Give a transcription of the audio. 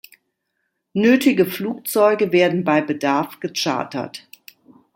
Nötige Flugzeuge werden bei Bedarf gechartert.